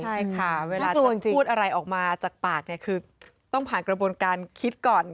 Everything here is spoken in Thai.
ใช่ค่ะเวลาจะพูดอะไรออกมาจากปากเนี่ยคือต้องผ่านกระบวนการคิดก่อน